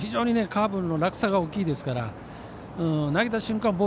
カーブの落差が大きいですから投げた瞬間